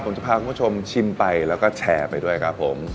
ผมจะพาคุณผู้ชมชิมไปแล้วก็แชร์ไปด้วยครับผม